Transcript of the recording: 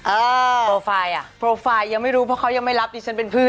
โปรไฟล์อ่ะโปรไฟล์ยังไม่รู้เพราะเขายังไม่รับดิฉันเป็นเพื่อน